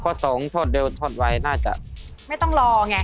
แบบบ้าสองทดเร็วทดไวน่าจะครับ